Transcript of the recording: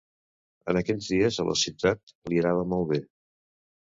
En aquells dies, a la ciutat li anava molt bé.